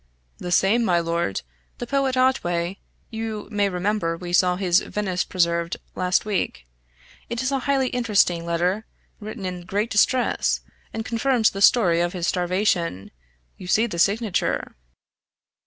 "The same my lord the poet Otway you may remember we saw his Venice Preserved last week. It is a highly interesting letter, written in great distress, and confirms the story of his starvation. You see the signature."